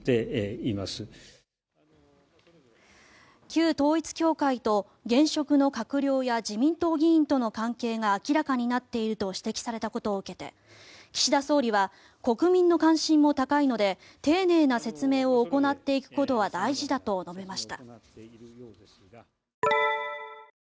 旧統一教会と、現職の閣僚や自民党議員との関係が明らかになっていると指摘されたことを受けて岸田総理は国民の関心も高いので丁寧な説明を行っていくことは大事だと述べました。